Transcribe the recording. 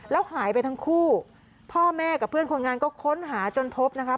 แล้วหายไปทั้งคู่พ่อแม่กับเพื่อนคนงานก็ค้นหาจนพบนะคะ